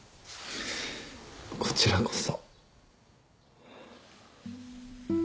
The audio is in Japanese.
こちらこそ